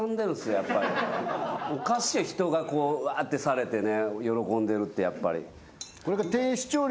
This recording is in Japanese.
おかしい人がわってされてね喜んでるってやっぱり。